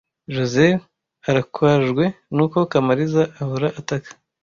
Josehl arakajwe nuko Kamariza ahora ataka.